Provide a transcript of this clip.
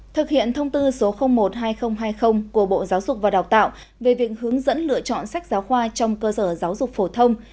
thực hiện thông tư số một hai nghìn hai mươi của bộ giáo dục và đào tạo về việc hướng dẫn lựa chọn sách giáo khoa trong cơ sở giáo dục phổ thông